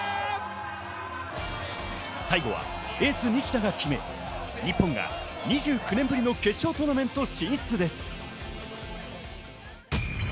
最後はエース西田が決め、日本が２９年ぶりの決勝トーナメント進出です。